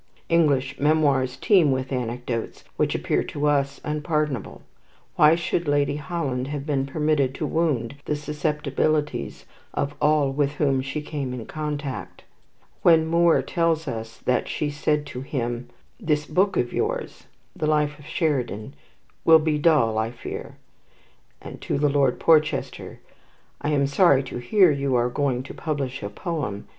English memoirs teem with anecdotes which appear to us unpardonable. Why should Lady Holland have been permitted to wound the susceptibilities of all with whom she came in contact? When Moore tells us that she said to him, "This book of yours" (the "Life of Sheridan") "will be dull, I fear;" and to Lord Porchester, "I am sorry to hear you are going to publish a poem.